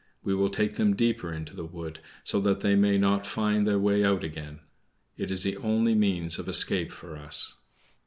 We will take them deeper into the wood, so that they may not find the way out again; it is the only means of escape for us."